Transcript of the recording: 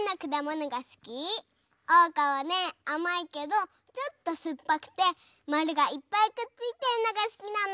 おうかはねあまいけどちょっとすっぱくてまるがいっぱいくっついてるのがすきなの！